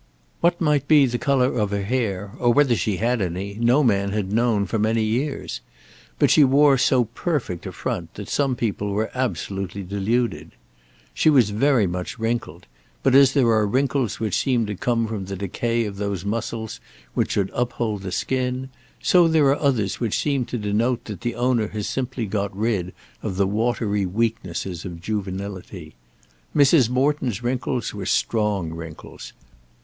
What might be the colour of her hair, or whether she had any, no man had known for many years. But she wore so perfect a front that some people were absolutely deluded. She was very much wrinkled; but as there are wrinkles which seem to come from the decay of those muscles which should uphold the skin, so are there others which seem to denote that the owner has simply got rid of the watery weaknesses of juvenility. Mrs. Morton's wrinkles were strong wrinkles.